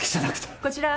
こちらは。